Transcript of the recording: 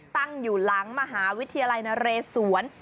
ตั้งอยู่หลังมหาวิทยาลัยนเรศวร